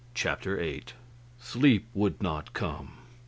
Chapter 8 Sleep would not come.